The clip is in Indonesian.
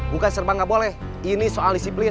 bukan serba nggak boleh ini soal disiplin